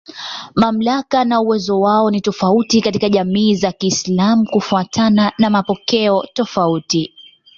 Mamlaka na uwezo wao ni tofauti katika jamii za Kiislamu kufuatana na mapokeo tofauti.